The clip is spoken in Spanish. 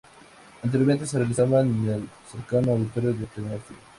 Anteriormente se realizaban en el cercano Auditorio de Tenerife.